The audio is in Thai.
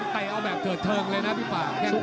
แต่เอาแบบตรอดเทิงเลยนะพี่ปานแ้งขวา